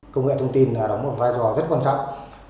công nghệ thông tin đóng một vai trò rất quan trọng